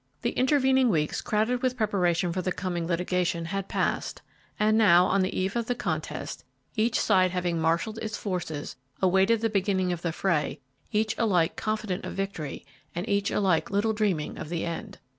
The intervening weeks, crowded with preparation for the coming litigation, had passed, and now, on the eve of the contest, each side having marshalled its forces, awaited the beginning of the fray, each alike confident of victory and each alike little dreaming of the end.